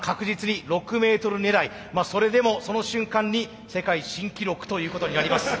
それでもその瞬間に世界新記録ということになります。